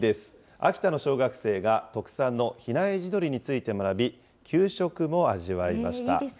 秋田の小学生が、特産の比内地鶏について学び、いいですね。